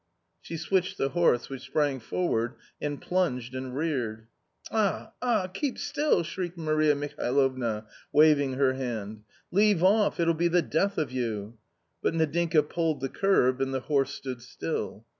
She switched the horse, which sprang forward and plunged and reared. " Ah, ah ! keep still !" shrieked Maria Mihalovna, waving her hand ;" leave off, it'll be the death of you !" But Nadinka pulled the curb and the horse stood still.